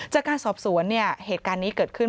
จากการสอบสวนเนี่ยเหตุการณ์นี้เกิดขึ้น